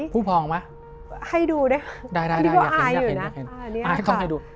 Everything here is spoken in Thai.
พูดพองไหมให้ดูดิได้ได้ได้นี่ก็อายอยู่น่ะอ่านี่ค่ะอ่าให้ต้องให้ดู